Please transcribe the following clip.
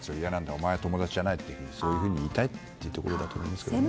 お前は友達じゃないとそういうふうに言いたいというところだと思いますけどね。